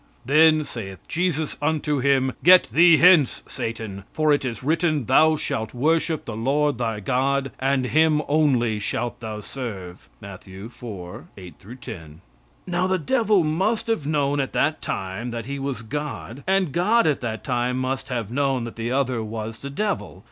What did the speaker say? "Then saith Jesus unto him, Get thee hence, Satan, for it is written, Thou shalt worship the Lord thy God, and him only shalt thou serve." (Matt. iv, 8 10.) Now, the devil must have known at that time that he was God, and God at that time must have known that the other was the devil.